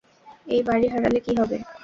এই বাড়ি হারালে কী হবে?